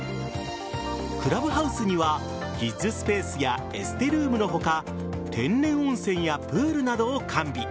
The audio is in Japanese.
クラブハウスにはキッズスペースやエステルームの他天然温泉やプールなどを完備。